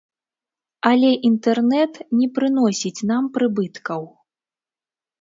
Але інтэрнэт не прыносіць нам прыбыткаў.